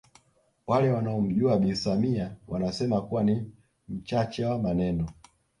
Wale wanaomjua Bi Samia wanasema kuwa ni mchache wa maneno